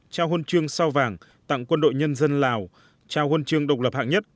trao huân chương sao vàng tặng quân đội nhân dân lào trao huân chương độc lập hạng nhất